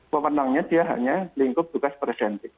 memenangnya dia hanya lingkup tugas presenti